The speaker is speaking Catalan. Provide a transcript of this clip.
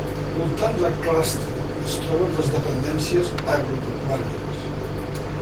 Voltant la clastra es troben les dependències agropecuàries.